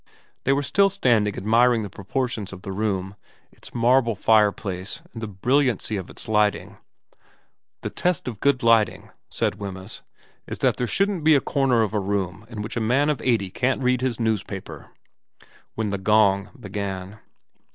They were still standing admiring the proportions of the room, its marble fireplace and the brilliancy of its lighting ' The test of good lighting,' said Wemyes, ' is that there shouldn't be a corner of a room in which a man of eighty can't read his newspaper ' when the gong began.